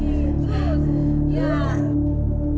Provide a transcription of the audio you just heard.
ya sedikit lagi